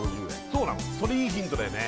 そうなのそれいいヒントだよね